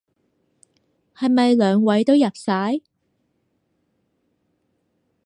係咪兩位都入晒？